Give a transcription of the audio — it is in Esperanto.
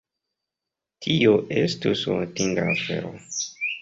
Tio estus hontinda afero.